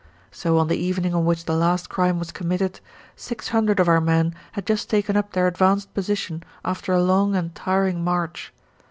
So on the evening on which the last crime was committed six hundred of our men had just taken up their advanced position after a long and tiring march.